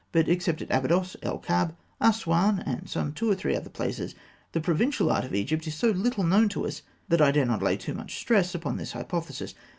But except at Abydos, El Kab, Asûan, and some two or three other places, the provincial art of ancient Egypt is so little known to us that I dare not lay too much stress upon this hypothesis.